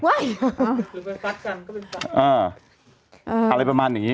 อะไรประมาณอย่างนี้